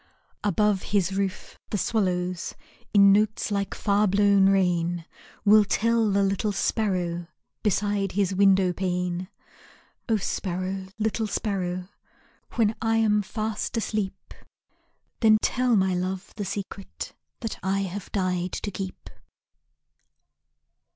Above his roof the swallows, In notes like far blown rain, Will tell the little sparrow Beside his window pane. O sparrow, little sparrow, When I am fast asleep, Then tell my love the secret That I have died to keep.